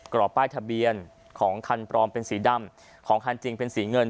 รอบป้ายทะเบียนของคันปลอมเป็นสีดำของคันจริงเป็นสีเงิน